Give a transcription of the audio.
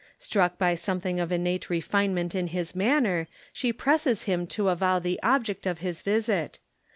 Struck by something of innate refinement in his manner, she presses him to avow the object of his visit.